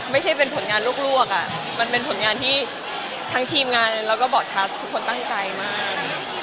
ไม่ใช่เป็นผลงานลวกมันเป็นผลงานที่ทั้งทีมงานแล้วก็บอร์ดคลัสทุกคนตั้งใจมาก